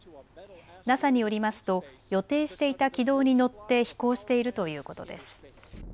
ＮＡＳＡによりますと予定していた軌道に乗って飛行しているということです。